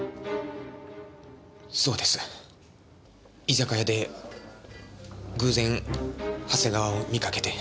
居酒屋で偶然長谷川を見かけて。